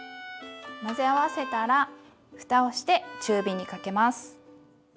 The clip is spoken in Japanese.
混ぜ合わせたらふたをして中火にかけます。